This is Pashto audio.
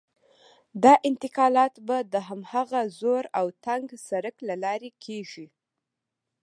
دا انتقالات به د هماغه زوړ او تنګ سړک له لارې کېږي.